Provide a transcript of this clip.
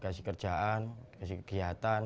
kasih kerjaan kasih kegiatan